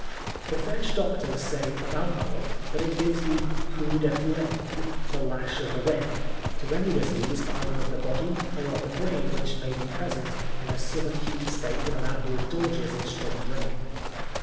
The French doctors say of alcohol that it gives the coup de fouet (the lash of the whip) to any disease either of the body or of the brain which may be present in a sub acute state in a man who indulges in strong drink.